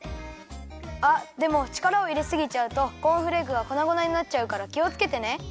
あっでもちからをいれすぎちゃうとコーンフレークがこなごなになっちゃうからきをつけてね。